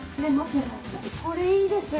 これいいですね！